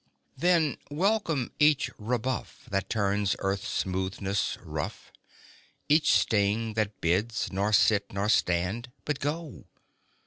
Then, welcome each rebuff That turns earth's smoothness rough, Each sting that bids nor sit nor stand but go!